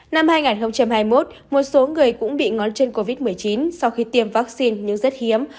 năm hai nghìn hai mươi một một số người cũng bị ngón chân covid một mươi chín sau khi tiêm vaccine nhưng rất hiếm